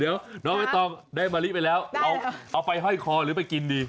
เดี๋ยวน้องไม่ต้องได้มะลิไปแล้วเอาไปห้อยคอหรือไปกินดี